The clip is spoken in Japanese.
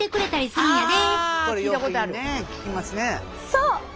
そう。